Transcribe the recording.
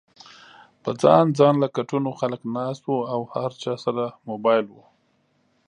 پۀ ځان ځانله کټونو خلک ناست وو او هر چا سره موبايل ؤ